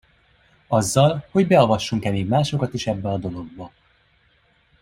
Azzal, hogy beavassunk-e még másokat is ebbe a dologba.